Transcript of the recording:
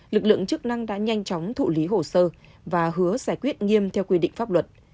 lực lượng chức năng đã nhanh chóng thụ lý hồ sơ và hứa giải quyết nghiêm theo quy định pháp luật